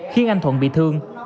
khiến anh thuận bị thương